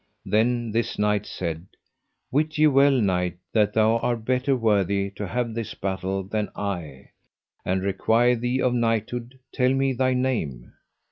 Then this knight said: Wit ye well, knight, that thou art better worthy to have this battle than I, and require thee of knighthood tell me thy name.